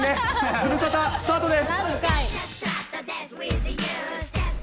ズムサタ、スタートです。